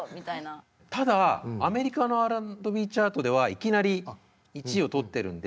ただアメリカのＲ＆Ｂチャートではいきなり１位を取ってるんで。